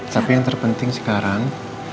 tapi yang terpenting sekarang